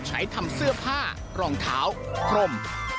ใช้ทำเสื้อผ้ารองเท้าพรม